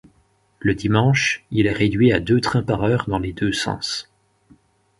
Le dimanche, il est réduit à deux trains par heure dans les deux sens.